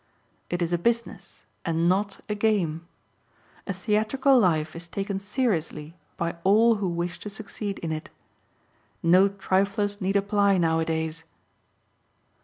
It is a business and not a game. A theatrical life is taken seriously by all who wish to succeed in it. No triflers need apply nowadays.